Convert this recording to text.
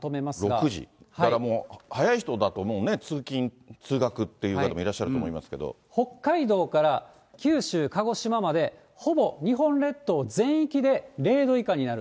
６時、だからもう早い人だと通勤・通学という人もいらっしゃると思いま北海道から九州・鹿児島まで、ほぼ日本列島全域で０度以下になる。